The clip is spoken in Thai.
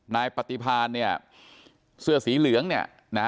นายปฏิพานเนี่ยเสื้อสีเหลืองเนี่ยนะ